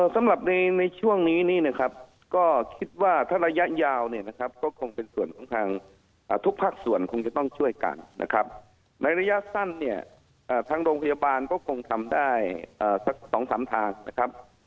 สำหรับในช่วงนี้นี่นะครับก็คิดว่าถ้าระยะยาวเนี่ยนะครับก็คงเป็นส่วนของทางทุกภาคส่วนคงจะต้องช่วยกันนะครับในระยะสั้นเนี่ยทางโรงพยาบาลก็คงทำได้สัก๒๓ทางนะครับ